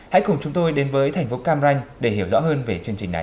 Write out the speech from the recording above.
hãy cùng chúng tôi đến với thành phố cam ranh để hiểu rõ hơn về chương trình này